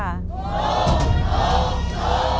โทษโทษโทษ